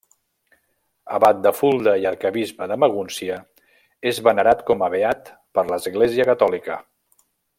Abat de Fulda i arquebisbe de Magúncia, és venerat com a beat per l'Església catòlica.